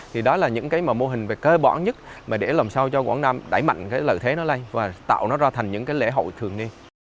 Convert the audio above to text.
thì đó là những mô hình về cơ bản nhất để làm sao cho quảng nam đẩy mạnh lợi thế nó lên và tạo nó ra thành những lễ hậu thường niên